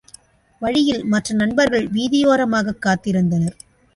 வழியில் மற்ற நண்பர்கள் வீதியோரமாகக் காத்திருந்தனர்.